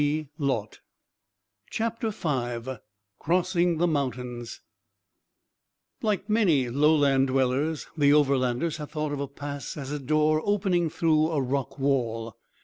CHAPTER V CROSSING THE MOUNTAINS Like many lowland dwellers, the Overlanders had thought of a pass as a door opening through a rock wall.